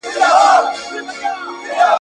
په کورونو کي د برېښنا شتون خورا مهم پرمختګ دی.